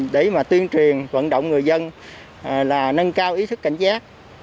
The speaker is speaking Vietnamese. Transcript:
để tuyên truyền vận động người dân nâng cao ý thức cảnh giác